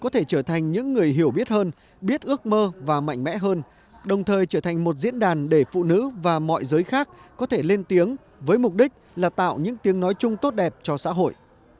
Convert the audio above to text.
trở thành những người hiểu biết hơn biết ước mơ và mạnh mẽ hơn đồng thời trở thành một diễn đàn để phụ nữ và mọi giới khác có thể lên tiếng với mục đích là tạo những tiếng nói chung tốt đẹp cho xã hội